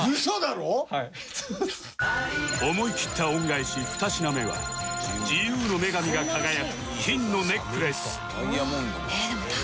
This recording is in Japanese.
思い切った恩返し２品目は自由の女神が輝く金のネックレス